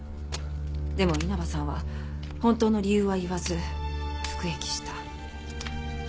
でも稲葉さんは本当の理由は言わず服役した。